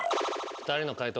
２人の解答